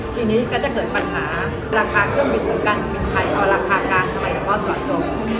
ทีนี้ก็จะเกิดปัญหาราคาเครื่องบินการบินไทยราคาการทำไมก็พอจอดจม